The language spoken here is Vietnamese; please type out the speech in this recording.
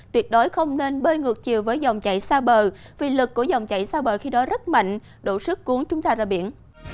tuyệt đối không nên bơi ngược chiều với dòng chảy xa bờ vì lực của dòng chảy xa bờ khi đó rất mạnh đổ sức cuốn chúng ta ra biển